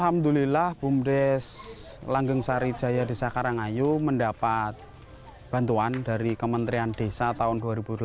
alhamdulillah bumdes langgeng sarijaya desa karangayu mendapat bantuan dari kementerian desa tahun dua ribu delapan belas